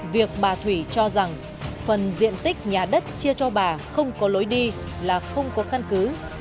việc bà thủy cho rằng phần diện tích nhà đất chia cho bà không có lối đi là không có căn cứ